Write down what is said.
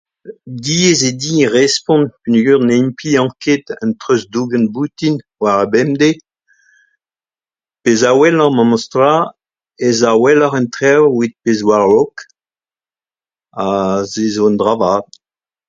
Diaes eo din respont paneogwir ne implijan ket an treuzdougen boutin war ar pemdez. Pezh a welan memes tra ez a welloc'h an traoù pezh oa a-raok ha se zo un dra vat.